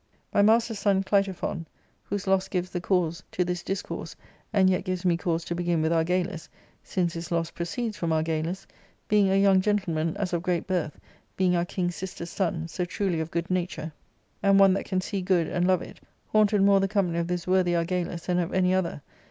My master's son Clitophon — whose loss gives the cause to this discourse, and yet gives me cause to begin with Argalus, since his loss proceeds from Argalus — being a young gentleman, as of great birth, being our king's sister's son, so truly of good nature^ and one that can see good and love it, haunted more the company of this worthy Argalus than of any other.